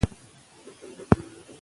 څو پاڼې ولولئ مخکې له اخيستلو.